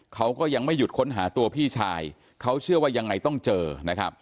เขาก็ยังไม่หยุดค้นหาตัวพี่ชายเขาเชื่อว่ายังไงต้องเจอนะครับ